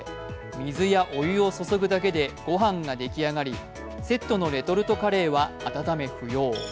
水やお湯を注ぐだけでご飯ができ上がりセットのレトルトカレーは温め不要。